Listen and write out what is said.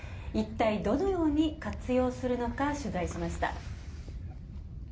一体、どのように活用するのか取材しました。